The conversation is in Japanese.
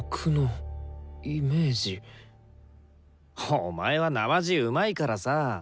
お前はなまじうまいからさ。